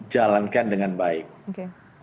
jalankan dengan baik oke